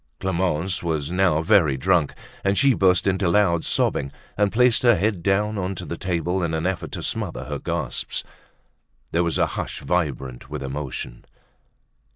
Clemence was now very drunk and she burst into loud sobbing and placed her head down onto the table in an effort to smother her gasps. There was a hush vibrant with emotion.